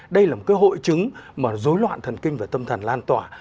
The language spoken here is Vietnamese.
đây là một cái hội chứng mà dối loạn thần kinh và tâm thần lan tỏa